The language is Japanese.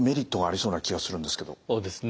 そうですね。